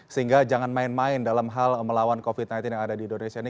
sehingga jangan main main dalam hal melawan covid sembilan belas yang ada di indonesia ini